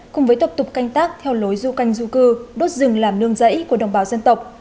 cùng với tập tục canh tác theo lối du canh du cư đốt rừng làm nương rẫy của đồng bào dân tộc